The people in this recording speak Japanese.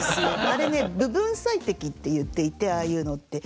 あれね部分最適って言っていてああいうのって。